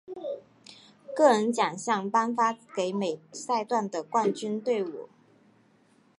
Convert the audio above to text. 个人奖项颁发给每赛段的冠军队伍。